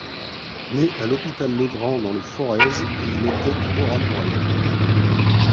Né à L'Hôpital-le-Grand dans le Forez, il était oratorien.